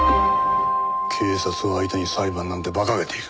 警察を相手に裁判なんて馬鹿げている。